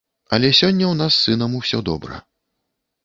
Але сёння ў нас з сынам усё добра.